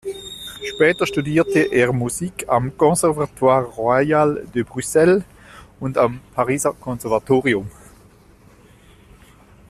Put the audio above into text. Später studierte er Musik am "Conservatoire Royal de Bruxelles" und am Pariser Konservatorium.